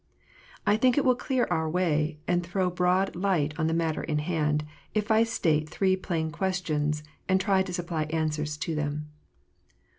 I think it will clear our way, and throw broad light on the matter in hand, if I state three plain questions, and try to supply answers to them.